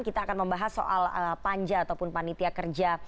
kita akan membahas soal panja ataupun panitia kerja